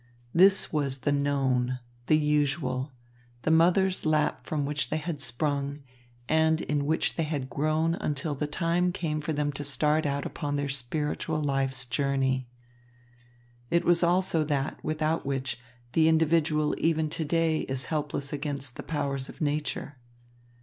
This was the known, the usual, the mother's lap from which they had sprung and in which they had grown until the time came for them to start out upon their spiritual life's journey. It was also that without which the individual even to day is helpless against the powers of nature.